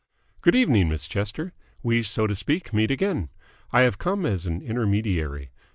"Good evening, Miss Chester. We, so to speak, meet again. I have come as an intermediary.